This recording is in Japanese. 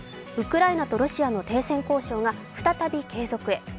ウクライナとロシアの停戦交渉が再び継続へ。